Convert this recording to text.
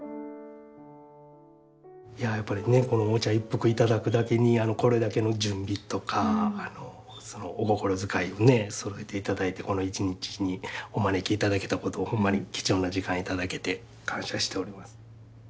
やっぱりねお茶一服いただくだけにこれだけの準備とかお心遣いをそろえていただいてこの一日にお招きいただけたことをほんまに貴重な時間いただけて感謝しております。